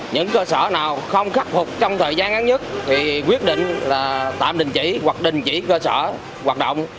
những cơ sở nào không khắc phục trong thời gian ngắn nhất thì quyết định là tạm đình chỉ hoặc đình chỉ cơ sở hoạt động